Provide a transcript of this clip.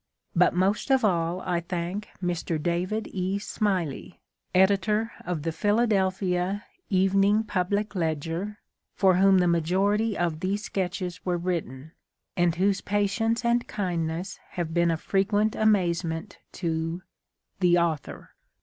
But most of all I thank Mr. David E. Smiley, editor of the Philadelphia Evening Public Ledger, for whom the majority of these sketches were written, and whose patience and kindness have been a frequent amazement to THE AUTHOR.